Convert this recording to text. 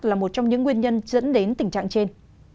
là một trong những nguyên nhân dẫn đến tình trạng trên